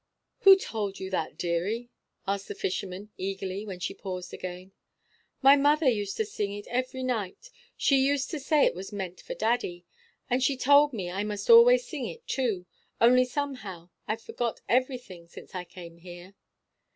"Who told you that, deary?" asked the fisherman, eagerly, when she paused again. "My mother used to sing it every night. She used to say it was meant for daddy. And she told me I must always sing it, too, only somehow I've forgot everything since I came here."